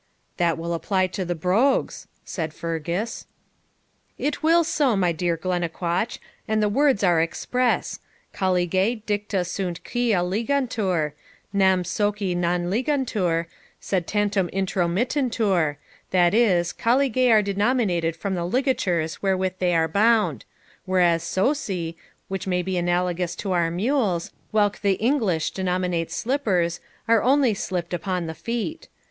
'That will apply to the brogues,' said Fergus. 'It will so, my dear Glennaquoich, and the words are express: Caligae, dicta sunt quia ligantur; nam socci non ligantur, sed tantum intromittuntur; that is, caligae are denominated from the ligatures wherewith they are bound; whereas socci, which may be analogous to our mules, whilk the English denominate slippers, are only slipped upon the feet.